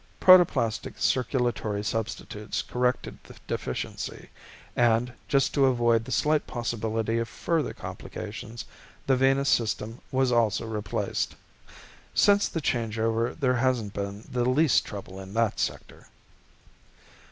Protoplastic circulatory substitutes corrected the deficiency and, just to avoid the slight possibility of further complications, the venous system was also replaced. Since the changeover there hasn't been the least trouble in that sector.